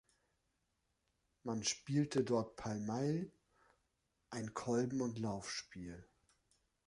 Man spielte dort Paille-Maille, ein Kolben- oder Laufspiel.